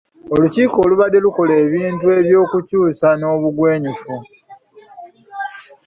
Olukiiko lubadde lukola ebintu eby’obukuusa n’obugwenyufu.